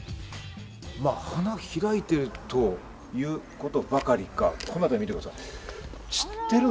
花開いてるということばかりか、ここも見てください。